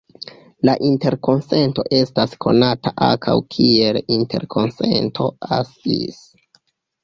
La interkonsento estas konata ankaŭ kiel interkonsento "As-Is".